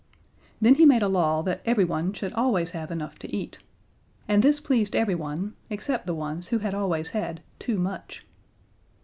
Then he made a law that everyone should always have enough to eat. And this pleased everyone except the ones who had always had too much.